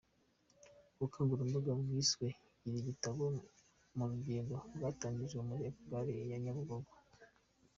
Ubukangurambaga bwiswe “Gira igitabo mu Rugendo” bwatangirijwe muri gare ya Nyabugogo.